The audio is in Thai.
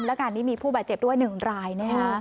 และการนี้มีผู้บาดเจ็บด้วยหนึ่งรายนะครับ